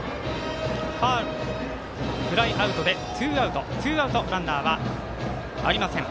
フライアウトでツーアウトランナーはありません。